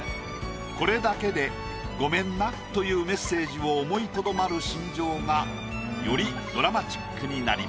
これだけで「ごめんな」というメッセージを思いとどまる心情がよりドラマチックになります。